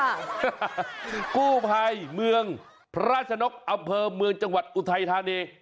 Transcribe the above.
กู้ภัยเมืองพระราชนกอำเภอเมืองจังหวัดอุทัยธานี